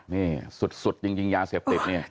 นี่สุดจริงยาเสพติดนี่